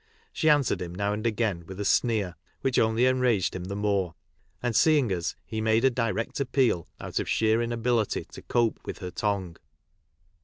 She answered him now and again with a sneer, which only enraged him the more, and seeing us he made a direct appeal out of sheer inability to cope with her tongue.